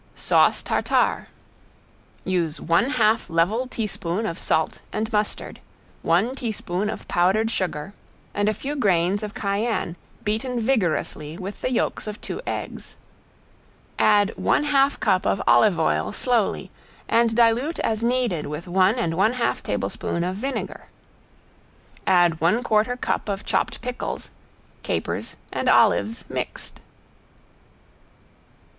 ~SAUCE TARTARE~ Use one half level teaspoon of salt and mustard, one teaspoon of powdered sugar, and a few grains of cayenne beaten vigorously with the yolks of two eggs. Add one half cup of olive oil slowly and dilute as needed with one and one half tablespoon of vinegar. Add one quarter cup of chopped pickles, capers and olives mixed.